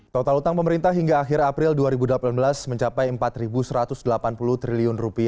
total utang pemerintah hingga akhir april dua ribu delapan belas mencapai rp empat satu ratus delapan puluh triliun